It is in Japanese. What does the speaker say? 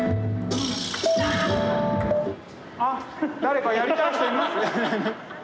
あっ誰かやりたい人います？